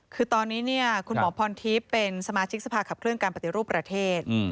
คือตอนนี้คุณหมอพรทิพย์เป็นสมาชิกสภาขับเคลื่อนการปฏิรูปประเทศ